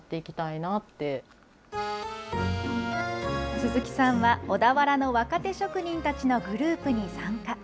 鈴木さんは、小田原の若手職人たちのグループに参加。